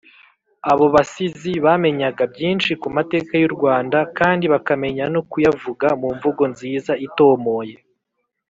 Abo basizi bamenyaga byinshi ku mateka y’u Rwanda, kandi bakamenya no kuyavuga mu mvugo nziza itomoye .